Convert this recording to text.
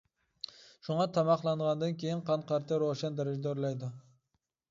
شۇڭا تاماقلانغاندىن كېيىن قان قەنتى روشەن دەرىجىدە ئۆرلەيدۇ.